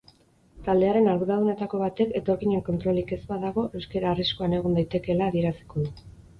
Taldearen arduradunetako batek etorkinen kontrolik ez badago euskera arriskuan egon daitekeela adieraziko du.